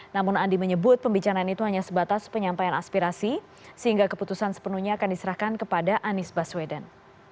namun andi menyebut pembicaraan itu hanya sebatas penyampaian aspirasi sehingga keputusan sepenuhnya akan diserahkan kepada anies baswedan